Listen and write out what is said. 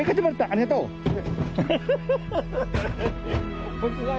ありがとうな。